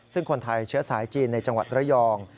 ซึ่งคนไทยเชื้อสายจีนในจังหวัดระยอง